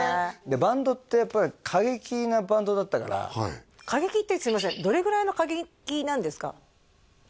バンドってやっぱり過激なバンドだったから過激ってすいませんどれぐらいの過激なんですか？